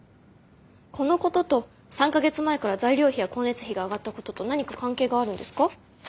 このことと３か月前から材料費や光熱費が上がったことと何か関係があるんですか？